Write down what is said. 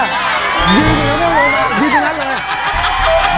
ยืนแล้วไม่ลงมายืนตรงนั้นเลย